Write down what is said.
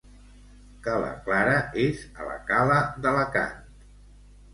Ca la Clara és a la cala d'Alacant.